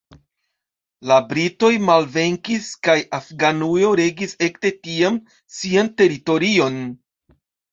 La britoj malvenkis kaj Afganujo regis ekde tiam sian teritorion.